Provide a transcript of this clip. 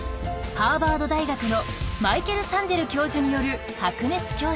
ハーバード大学のマイケル・サンデル教授による白熱教室。